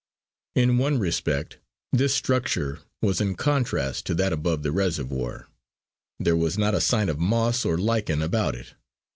In one respect this structure was in contrast to that above the reservoir, there was not a sign of moss or lichen about it.